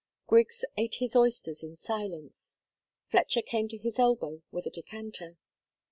Griggs ate his oysters in silence. Fletcher came to his elbow with a decanter.